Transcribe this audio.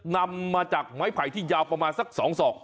นำมาจากไม้ไผ่ที่ยาวประมาณสัก๒ศอก